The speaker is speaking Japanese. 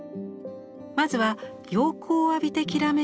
まずは陽光を浴びてきらめく